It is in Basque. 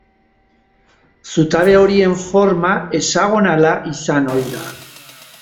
Zutabe horien forma hexagonala izan ohi da.